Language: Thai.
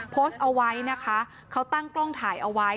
โพสต์เอาไว้นะคะเขาตั้งกล้องถ่ายเอาไว้